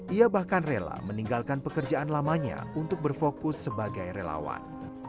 ia bahkan rela meninggalkan pekerjaan lamanya untuk berfokus sebagai relawan